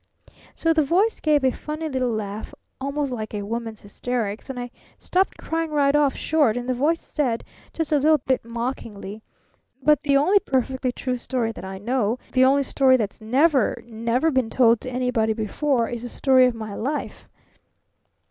_' "So the Voice gave a funny little laugh almost like a woman's hysterics, and I stopped crying right off short, and the Voice said, just a little bit mockingly: 'But the only perfectly true story that I know the only story that's never never been told to anybody before is the story of my life.'